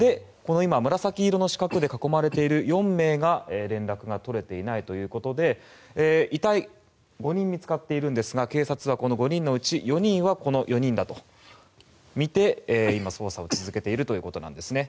紫色の四角で囲まれている４名が連絡が取れていないということで遺体が５人見つかっていますが警察はその５人のうち４人がこの４人だとみて、捜査を続けているということです。